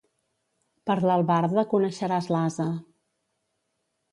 Per l'albarda coneixeràs l'ase.